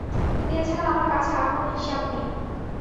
এ ছাড়া আমার কাছে আর কোন হিসাব নেই।